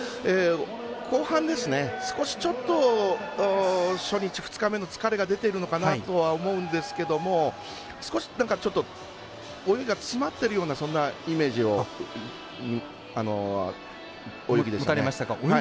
後半、少し初日、２日目の疲れが出ているのかなとは思うんですけども少し、泳ぎが詰まっているようなイメージを泳ぎでしたね。